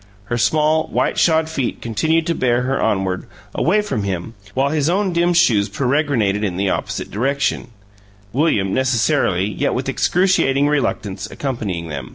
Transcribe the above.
Her small, white shod feet continued to bear her onward, away from him, while his own dimmed shoes peregrinated in the opposite direction William necessarily, yet with excruciating reluctance, accompanying them.